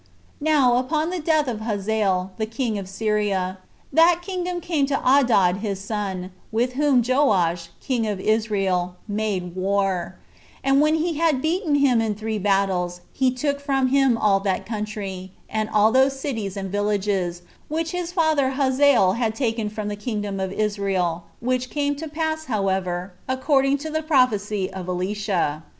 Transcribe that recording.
7. Now, upon the death of Hazael, the king of Syria, that kingdom came to Adad his son, with whom Joash, king of Israel, made war; and when he had beaten him in three battles, he took from him all that country, and all those cities and villages, which his father Hazael had taken from the kingdom of Israel, which came to pass, however, according to the prophecy of Elisha.